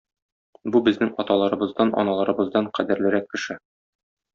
Бу безнең аталарыбыздан, аналарыбыздан кадерлерәк кеше.